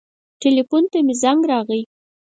ټیلیفون ته مې زنګ راغی.